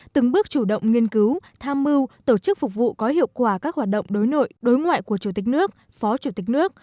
từng bước chủ động nghiên cứu tham mưu tổ chức phục vụ có hiệu quả các hoạt động đối nội đối ngoại của chủ tịch nước phó chủ tịch nước